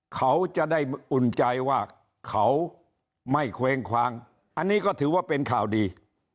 เขาจะได้อุ่นใจว่าเขาไม่เควงคว้างอันนี้ก็ถือว่าเป็นข่าวดี